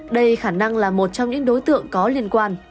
đây khả năng là một trong những đối tượng có liên quan